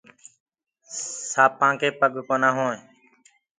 سآنپآ ڪي پگ ڪونآ۔